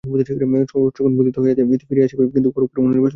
সহস্রগুণ বর্ধিত হইয়া ইহা ফিরিয়া আসিবে, কিন্তু ইহার উপর মনোনিবেশ মোটেই করিবে না।